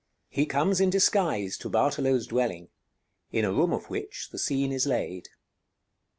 He comes in disguise to Bartolo's dwelling, in a room of which the scene is laid.